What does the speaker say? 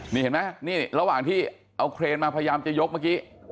นี่เห็นไหมนี่ระหว่างที่เอาเครนมาพยายามจะยกเมื่อกี้